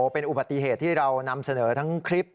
เป็นอุบัติเหตุที่เรานำเสนอทั้งคลิป